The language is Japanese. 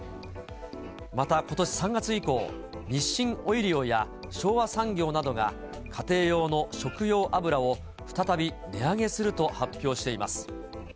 またことし３月以降、日清オイリオや昭和産業などが、家庭用の食用油を、再び値上げすると発表しています。